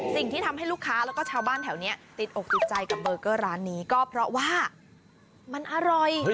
สิ่งที่ทำให้ลูกค้าแล้วก็ชาวบ้านแถวนี้ติดอกติดใจกับเบอร์เกอร์ร้านนี้ก็เพราะว่ามันอร่อย